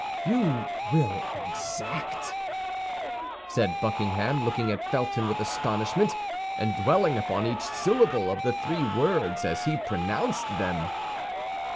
"You will exact!" said Buckingham, looking at Felton with astonishment, and dwelling upon each syllable of the three words as he pronounced them.